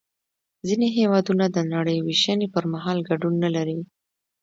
ځینې هېوادونه د نړۍ وېشنې پر مهال ګډون نلري